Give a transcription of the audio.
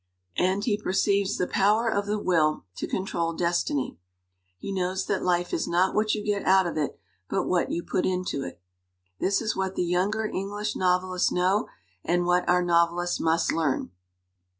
And he perceives the power of the will to control destiny; he knows that life is not what you get 233 LITERATURE IN THE MAKING out of it, but what you put into it. This is what the younger English novelists know and what our novelists must learn.